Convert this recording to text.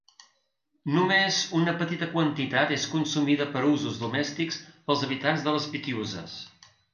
Només una petita quantitat és consumida per a usos domèstics pels habitants de les Pitiüses.